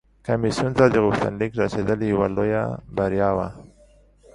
کمیسیون ته د غوښتنلیک رسیدل یوه لویه بریا وه